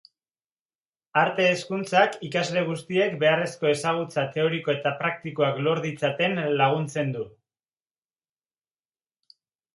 Arte hezkuntzak ikasle guztiek beharrezko ezagutza teoriko eta praktikoak lor ditzaten laguntzen du.